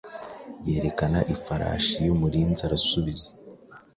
Yerekana ifarashi yeumurinziarasubiza